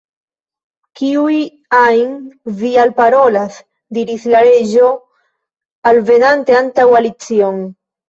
"Kiun ajn vi alparolas?" diris la Reĝo, alvenante antaŭ Alicion.